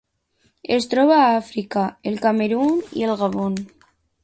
Es troba a Àfrica: el Camerun i el Gabon.